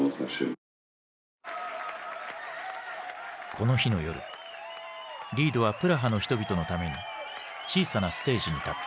この日の夜リードはプラハの人々のために小さなステージに立った。